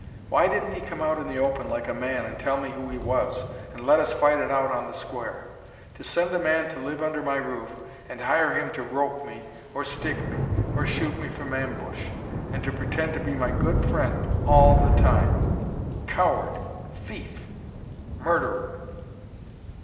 "Why didn't he come out in the open like a man and tell me who he was, and let us fight it out on the square? To send a man to live under my roof, and hire him to rope me, or stick me, or shoot me from ambush! And to pretend to be my good friend all the time! Coward! Thief! Murderer!"